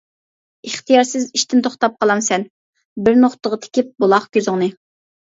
ئىختىيارسىز ئىشتىن توختاپ قالامسەن، بىر نوختىغا تىكىپ بۇلاق كۆزۈڭنى.